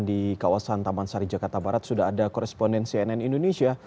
di kawasan taman sari jakarta barat sudah ada koresponden cnn indonesia